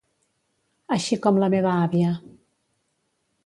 Així com la meva àvia.